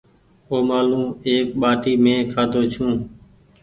اومآلون ايڪ ٻآٽي مينٚ کآڌو ڇوٚنٚ